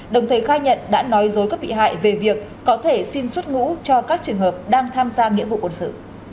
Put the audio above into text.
đồng thời khai nhận đã nói dối các bị hại về việc có thể xin xuất ngũ cho các trường hợp đang tham gia nghĩa vụ quân sự